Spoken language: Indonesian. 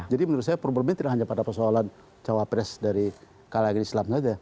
jadi menurut saya perubahan ini tidak hanya pada persoalan cawapres dari kalangan islam saja